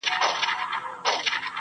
هـغــه اوس سيــمــي د تـــــه ځـــــي,